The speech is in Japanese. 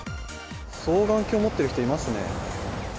双眼鏡持っている人いますね。